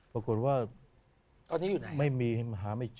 ปรากฏว่าไม่มีหาไม่เจอ